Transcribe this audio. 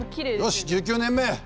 よし１９年目。